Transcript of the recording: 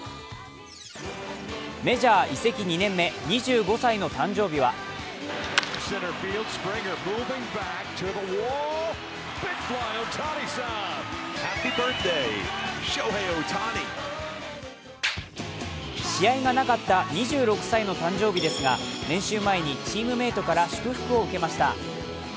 メジャー移籍２年目、２５歳の誕生日は試合がなかった２６歳の誕生日ですが、練習前にチームメートから祝福を受けました。